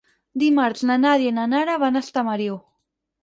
Dimarts na Nàdia i na Nara van a Estamariu.